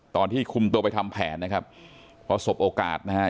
ตอนที่คุมตัวไปทำแผนนะครับพอสบโอกาสนะฮะ